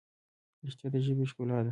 رښتیا د ژبې ښکلا ده.